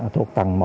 thuộc tầng một